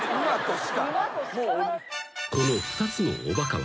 ［この２つのおバカ枠。